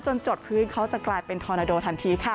จดพื้นเขาจะกลายเป็นทอนาโดทันทีค่ะ